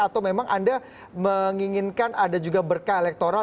atau memang anda menginginkan ada juga berkah elektoral